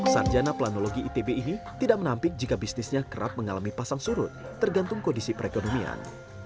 sarjana planologi itb ini tidak menampik jika bisnisnya kerap mengalami pasang surut tergantung kondisi perekonomian